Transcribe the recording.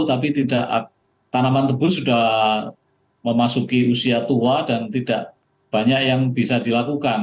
tapi tanaman tebus sudah memasuki usia tua dan tidak banyak yang bisa dilakukan